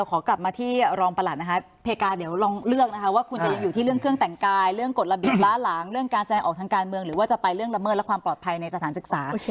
ขอกลับมาที่รองประหลัดนะคะเพกาเดี๋ยวลองเลือกนะคะว่าคุณจะยังอยู่ที่เรื่องเครื่องแต่งกายเรื่องกฎระเบียบล้าหลางเรื่องการแสดงออกทางการเมืองหรือว่าจะไปเรื่องละเมิดและความปลอดภัยในสถานศึกษา